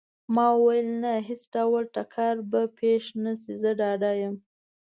ما وویل: نه، هیڅ ډول ټکر به پېښ نه شي، زه ډاډه یم.